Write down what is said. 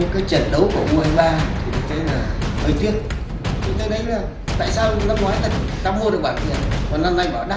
còn năm nay bỏ đặt thì thấy là